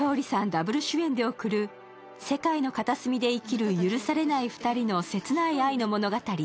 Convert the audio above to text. ダブル主演で贈る世界の片隅で生きる、許されない２人の切ない愛の物語